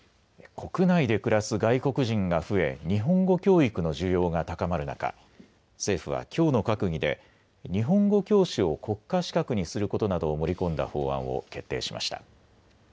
国内で暮らす外国人が増え日本語教育の需要が高まる中、政府はきょうの閣議で日本語教師を国家資格にすることなどを盛り込んだ法案を決定しました。